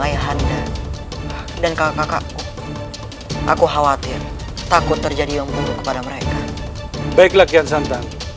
ayah anda dan kakak aku khawatir takut terjadi yang menunggu kepada mereka baiklah kian santan